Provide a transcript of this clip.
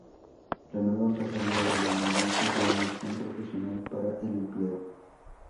La nueva pasaría a denominarse Formación Profesional para el Empleo.